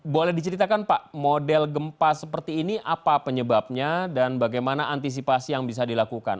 boleh diceritakan pak model gempa seperti ini apa penyebabnya dan bagaimana antisipasi yang bisa dilakukan